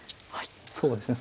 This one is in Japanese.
そうですね